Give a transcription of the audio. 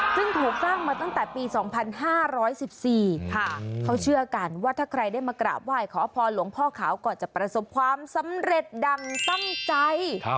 ซึ่งถูกสร้างมาตั้งแต่ปี๒๕๑๔เขาเชื่อกันว่าถ้าใครได้มากราบไหว้ขอพรหลวงพ่อขาวก่อนจะประสบความสำเร็จดั่งตั้งใจ